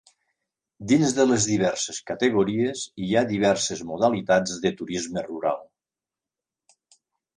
Dins de les diverses categories hi ha diverses modalitats de turisme rural.